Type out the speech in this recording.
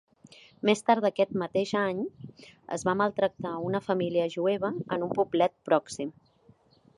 Més tard d'aquest mateix any, es va maltractar a una família jueva en un poblet pròxim.